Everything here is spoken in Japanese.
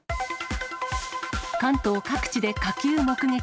関東各地で火球目撃。